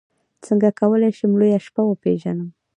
څنګه کولی شم لویه شپه وپېژنم